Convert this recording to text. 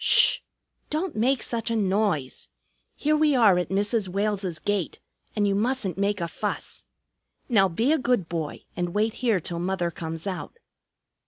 "Sh! Don't make such a noise. Here we are at Mrs. Wales's gate, and you mustn't make a fuss. Now be a good boy and wait here till Mother comes out."